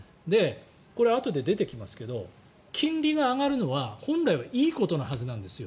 これ、あとで出てきますけど金利が上がるのは本来はいいことなはずなんです。